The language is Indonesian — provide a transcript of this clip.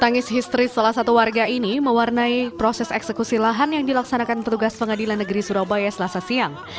tangis histeris salah satu warga ini mewarnai proses eksekusi lahan yang dilaksanakan petugas pengadilan negeri surabaya selasa siang